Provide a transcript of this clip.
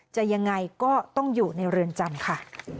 ยังไงก็ต้องอยู่ในเรือนจำค่ะ